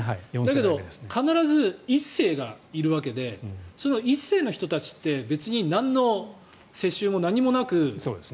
だけど、必ず１世がいるわけでその１世の人たちって別になんの世襲も何もなく。